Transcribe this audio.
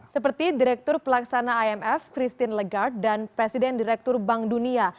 seperti direktur pelaksana imf christine legard dan presiden direktur bank dunia